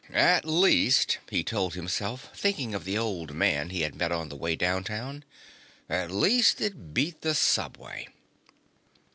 At least, he told himself, thinking of the old man he had met on the way downtown, at least it beat the subway.